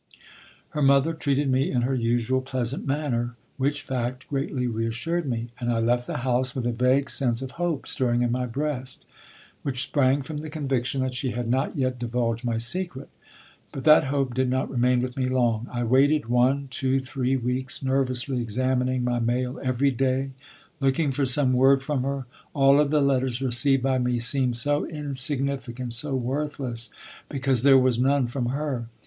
Her mother treated me in her usual pleasant manner, which fact greatly reassured me; and I left the house with a vague sense of hope stirring in my breast, which sprang from the conviction that she had not yet divulged my secret. But that hope did not remain with me long. I waited one, two, three weeks, nervously examining my mail every day, looking for some word from her. All of the letters received by me seemed so insignificant, so worthless, because there was none from her.